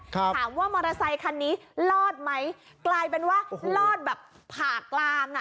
ถามว่ามอเตอร์ไซคันนี้รอดไหมกลายเป็นว่ารอดแบบผ่ากลางน่ะ